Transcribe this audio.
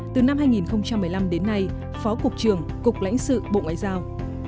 từ năm hai nghìn một mươi năm đến nay phó cục trưởng cục lãnh sự bộ ngoại giao